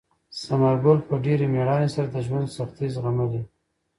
ثمر ګل په ډېرې مېړانې سره د ژوند سختۍ زغملې.